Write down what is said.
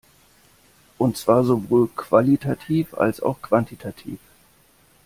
Und zwar sowohl qualitativ als auch quantitativ.